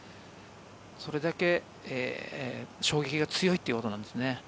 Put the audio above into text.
それだけ衝撃が強いということです。